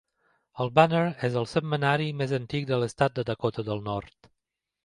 El Banner és el setmanari més antic de l'estat de Dakota del Nord.